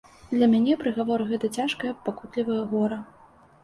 Для мяне прыгавор гэты цяжкае пакутлівае гора.